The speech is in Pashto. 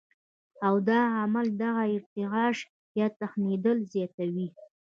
او دا عمل دغه ارتعاش يا تښنېدل زياتوي